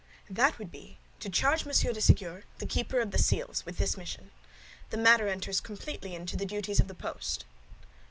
"That would be to charge Monsieur de Séguier, the keeper of the seals, with this mission. The matter enters completely into the duties of the post."